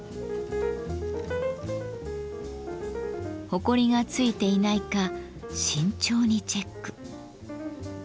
ほこりが付いていないか慎重にチェック。